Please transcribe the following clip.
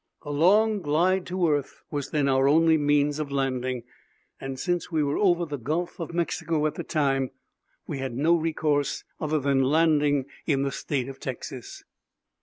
A long glide to earth was then our only means of landing and, since we were over the Gulf of Mexico at the time, we had no recourse other than landing in the State of Texas.